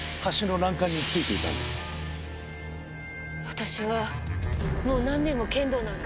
私はもう何年も剣道なんか。